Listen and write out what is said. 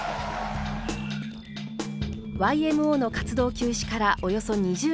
ＹＭＯの活動休止からおよそ２０年。